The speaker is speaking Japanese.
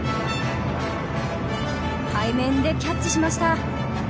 背面でキャッチしました。